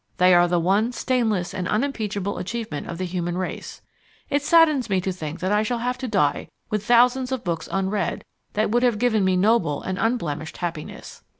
They are the one stainless and unimpeachable achievement of the human race. It saddens me to think that I shall have to die with thousands of books unread that would have given me noble and unblemished happiness.